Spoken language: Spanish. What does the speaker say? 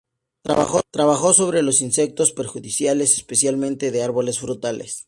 Trabajó sobre los insectos perjudiciales, especialmente de árboles frutales.